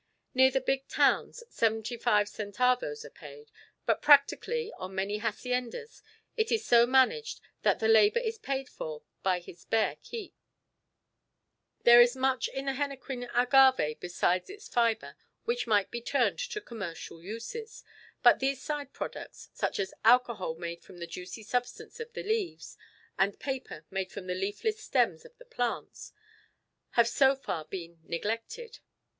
Near the big towns, 75 centavos are paid, but practically, on many haciendas, it is so managed that the labour is paid for by his bare keep. [Illustration: HENEQUEN FIBRE IN DRYING GROUND.] [Illustration: THE FIBRE MILL.] There is much in the henequen agave beside its fibre which might be turned to commercial uses, but these side products, such as alcohol made from the juicy substance of the leaves, and paper made from the leafless stems of the plants, have so far been neglected.